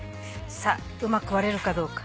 さあうまく割れるかどうか。